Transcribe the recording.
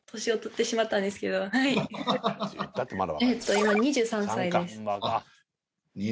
今２３歳です。